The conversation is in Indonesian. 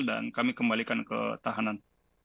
dan kami kembalikan ke tahanan